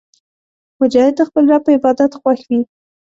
مجاهد د خپل رب په عبادت خوښ وي.